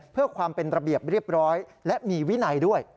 เพื่อความเป็นระเบียบเรียบร้อยและมีวินัยด้วย